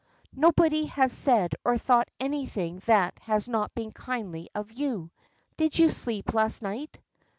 Nobody has said or thought anything that has not been kindly of you. Did you sleep last night?